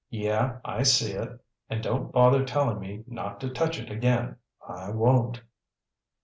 "Yeah, I see it. And don't bother telling me not to touch it again. I won't."